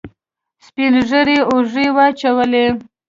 سپينږيري اوږې واچولې.